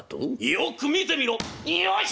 よく見てみろ！よいしょ！」。